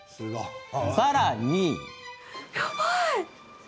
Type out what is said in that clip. さらに。